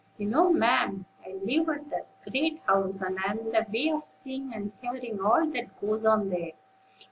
"You know, ma'am, I live at the great house, and am in the way of seeing and hearing all that goes on there.